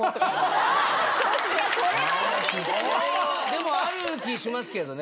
でもある気しますけどね。